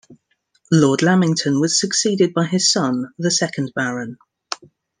Lord Lamington was succeeded by his son, the second Baron.